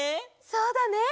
そうだね。